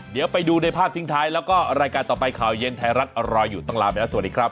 เดี๋ยวไปดูในภาพทิ้งท้ายแล้วก็รายการต่อไปข่าวเย็นไทยรัฐรออยู่ต้องลาไปแล้วสวัสดีครับ